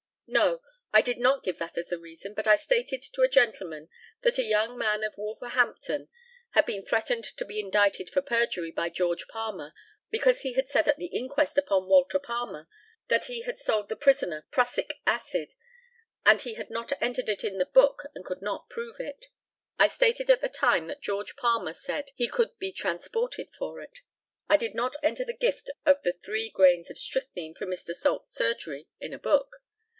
No, I did not give that as a reason, but I stated to a gentleman that a young man at Wolverhampton had been threatened to be indicted for perjury by George Palmer because he had said at the inquest upon Walter Palmer that he had sold the prisoner prussic acid, and he had not entered it in the book and could not prove it. I stated at the same time that George Palmer said he could be transported for it. I did not enter the gift of the three grains of strychnine from Mr. Salt's surgery in a book.